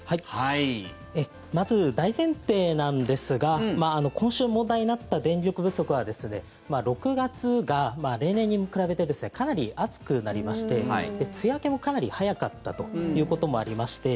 まず大前提なんですが今週問題になった電力不足は６月が例年に比べてかなり暑くなりまして梅雨明けもかなり早かったということもありまして